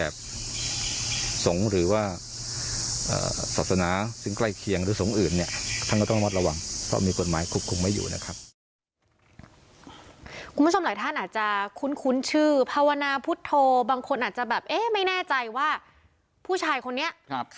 บางคนอาจจะแบบเอ๊ะไม่แน่ใจว่าผู้ชายคนนี้